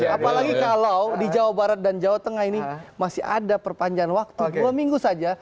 apalagi kalau di jawa barat dan jawa tengah ini masih ada perpanjangan waktu dua minggu saja